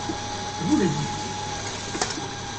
Vous le dites !